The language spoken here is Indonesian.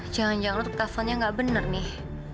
jangan jangan lu tuk telfonnya gak bener nih